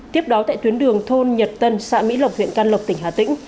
tiếp đó tại tuyến đường thôn nhật tân xã mỹ lộc huyện can lộc tỉnh hà tĩnh